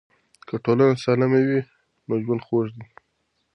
که ټولنه سالمه وي نو ژوند خوږ دی.